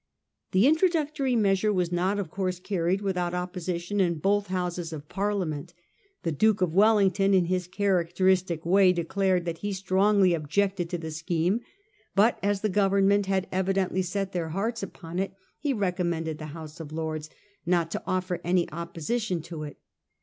The introductory measure was not, of course, carried without opposition in both Houses of Parliament. The Duke of Wellington in his characteristic way declared that he strongly ob jected to the scheme, but as the Government had evidently set their hearts upon it, he recommended the House of Lords "not to offer any opposition to it.